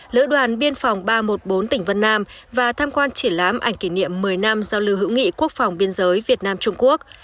lữ đoàn biên phòng ba trăm một mươi bốn tỉnh vân nam và tham quan triển lãm ảnh kỷ niệm một mươi năm giao lưu hữu nghị quốc phòng biên giới việt nam trung quốc